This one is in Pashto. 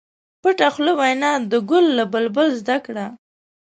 پټه خوله وینا د ګل له بلبل زده کړه.